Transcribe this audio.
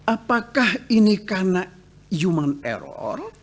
apakah ini karena human error